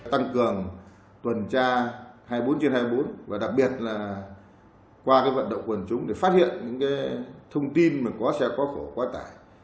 tăng cường tuần tra hai mươi bốn trên hai mươi bốn và đặc biệt là qua vận động quần chúng để phát hiện những thông tin mà có xe quá khổ quá tải